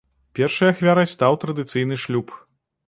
Першай ахвярай стаў традыцыйны шлюб.